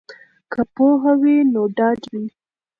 که پوهه وي نو ډاډ وي.